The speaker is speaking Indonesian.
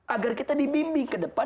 agar kita dibimbing kedepan